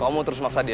memang polifikasi diri